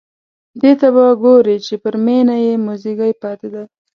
دې ته به ګوري چې پر مېنه یې موزیګی پاتې دی.